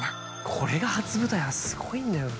これが初舞台はすごいんだよな。